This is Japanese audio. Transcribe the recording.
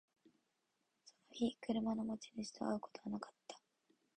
その日、車の持ち主と会うことはなかった